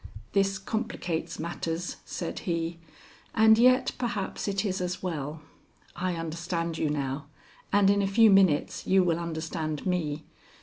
"This complicates matters," said he, "and yet perhaps it is as well. I understand you now, and in a few minutes you will understand me.